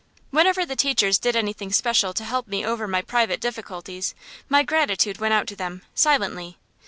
Whenever the teachers did anything special to help me over my private difficulties, my gratitude went out to them, silently.